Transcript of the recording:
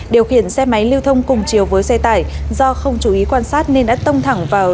điều khiển xe máy lưu thông cùng chiều với xe tải do không chú ý quan sát nên đã tông thẳng vào